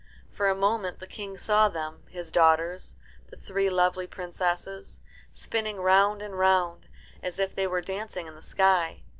For a moment the King saw them, his daughters, the three lovely princesses, spinning round and round, as if they were dancing in the sky.